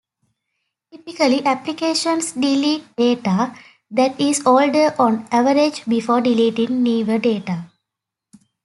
Typically, applications delete data that is older on average before deleting newer data.